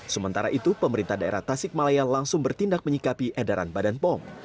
sementara itu pemerintah daerah tasikmalaya langsung bertindak menyikapi edaran badan pom